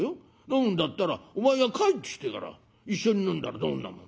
飲むんだったらお前が帰ってきてから一緒に飲んだらどんなもんだ。